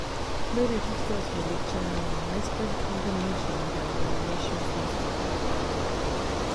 Later, details were leaked generating widespread condemnation by the nation's newspapers.